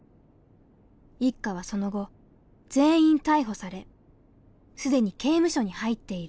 一家はその後全員逮捕され既に刑務所に入っている。